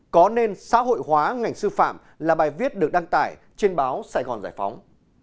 có nên xã hội hóa ngành sư phạm là bài viết được đăng tải trên báo sài gòn giải phóng